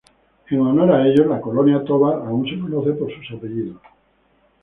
En honor a ellos la Colonia Tovar aún se conoce por sus apellidos.